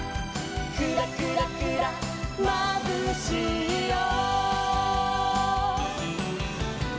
「クラクラクラまぶしいよ」